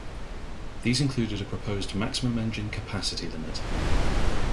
These included a proposed maximum engine capacity limit.